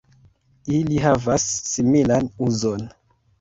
Ili havas similan uzon.